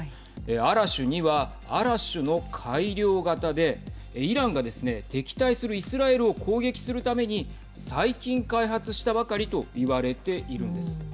アラシュ２はアラシュの改良型でイランがですね敵対するイスラエルを攻撃するために最近開発したばかりと言われているんです。